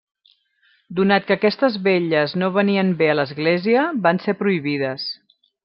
Donat que aquestes vetlles no venien bé a l'Església, van ser prohibides.